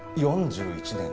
４１年。